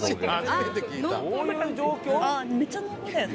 ああめっちゃ濃厚だよね。